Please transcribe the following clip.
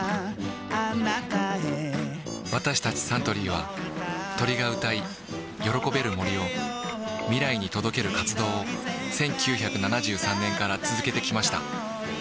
私たちサントリーは鳥が歌い喜べる森を未来に届ける活動を１９７３年から続けてきました